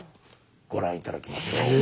ご覧頂きましょう。え？